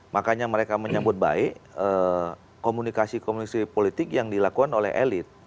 makanya mereka menyambut baik komunikasi komunikasi politik yang dilakukan oleh elit